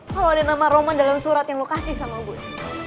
kalau ada nama roman dalam surat yang lo kasih sama gue